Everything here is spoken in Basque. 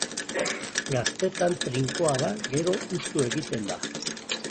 Gaztetan trinkoa da, gero hustu egiten da.